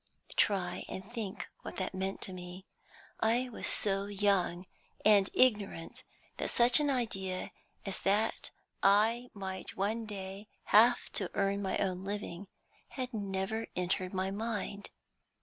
Try and think what that meant to me. I was so young and ignorant that such an idea as that I might one day have to earn my own living had never entered my mind.